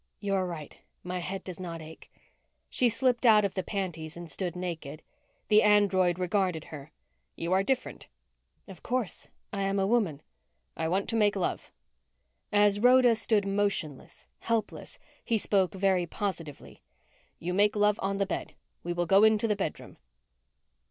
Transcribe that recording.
"You are right, my head does not ache." She slipped out of the panties and stood naked. The android regarded her. "You are different." "Of course. I am a woman." "I want to make love." As Rhoda stood motionless, helpless, he spoke very positively. "You make love on the bed. We will go into the bedroom